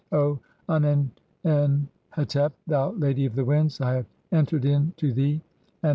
O Un[en] em "hetep, thou Lady of the winds, I have entered in to thee and 1.